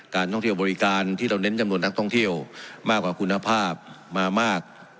ท่องเที่ยวบริการที่เราเน้นจำนวนนักท่องเที่ยวมากกว่าคุณภาพมามาก